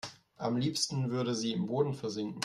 Am liebsten würde sie im Boden versinken.